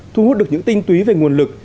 thu hút được những tinh túy về nguồn lực